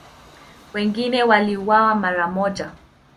Wengine waliuawa mara moja.